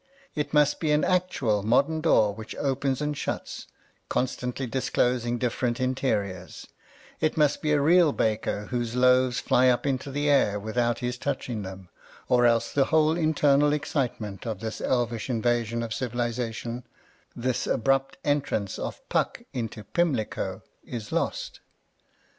It must be an actual modern door which opens and shuts, constantly disclosing dif ferent interiors ; it must be a real baker whose loaves fly up into air without his touching them, or else the whole internal excitement of this elvish invasion of civili zation, this abrupt entrance of Puck into Pimlico, is lost.